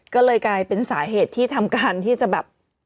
ก็เลยกลายเป็นสาเหตุที่ทำการที่จะแบบ